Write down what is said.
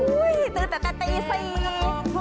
อุ้ยตื่นแต่แต่ตีสี